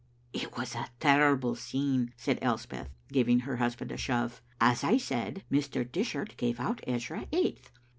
"It was a terrible scene," said Elspeth, giving her husband a shove. "As I said, Mr. Dishart gave out Ezra eighth.